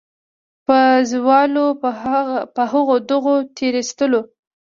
پازوالو په هغو دغو تېرېستلو.